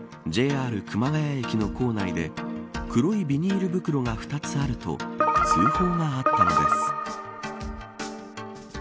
ＪＲ熊谷駅の構内で黒いビニール袋が２つあると通報があったのです。